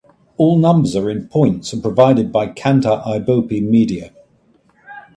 All numbers are in points and provided by Kantar Ibope Media.